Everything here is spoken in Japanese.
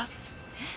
えっ？